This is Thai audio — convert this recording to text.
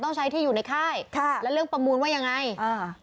ต้องใช้ที่อยู่ในค่ายค่ะแล้วเรื่องประมูลว่ายังไงอ่า